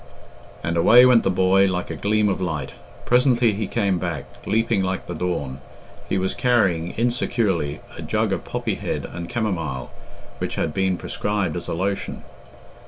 And away went the boy like a gleam of light. Presently he came back, leaping like the dawn. He was carrying, insecurely, a jug of poppy head and camomile, which had been prescribed as a lotion.